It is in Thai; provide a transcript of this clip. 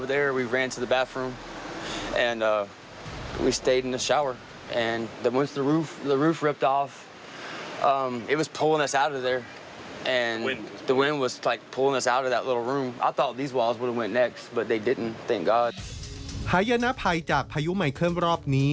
หายนภัยจากพายุใหม่เพิ่มรอบนี้